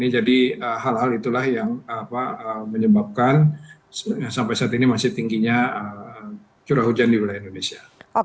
jadi hal hal itulah yang menyebabkan sampai saat ini masih tingginya curah hujan di wilayah indonesia